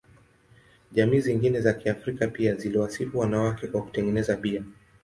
Jamii zingine za Kiafrika pia ziliwasifu wanawake kwa kutengeneza bia.